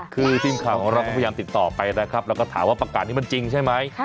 คือทีมข่าวของเราก็พยายามติดต่อไปนะครับแล้วก็ถามว่าประกาศนี้มันจริงใช่ไหม